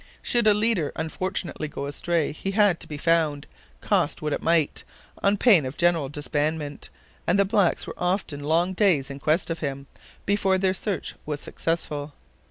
Should a "leader" unfortunately go astray, he had to be found, cost what it might, on pain of a general disbandment, and the blacks were often long days in quest of him, before their search was successful.